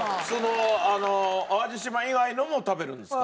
淡路島以外のも食べるんですか？